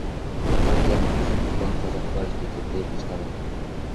Партияны Руслан Казакбаев жетектей баштаган.